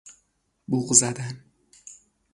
بوق زدن